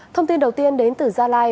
thông tin đầu tiên đến từ gia lai